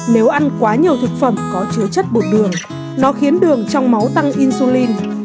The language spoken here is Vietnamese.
nếu ăn quá nhiều thực phẩm có chứa chất bột đường nó khiến đường trong máu tăng insulin